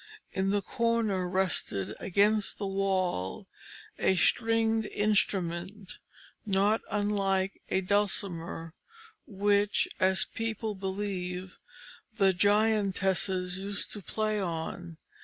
In the corner rested, against the wall, a stringed instrument, not unlike a dulcimer, which, as people believe, the Giantesses used to play on.